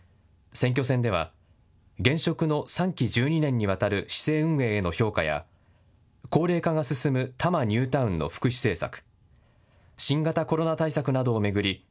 選挙戦では現職の３期１２年にわたる市政運営への評価や高齢化が進む多摩ニュータウンの福祉政策、新型コロナ対策などを巡り